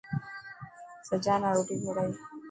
سجا نا روٽي ڪوڙائي.